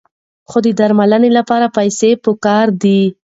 خو د درملنې لپاره پیسې پکار دي.